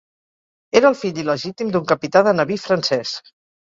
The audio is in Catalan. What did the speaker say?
Era el fill il·legítim d'un capità de nabí francès.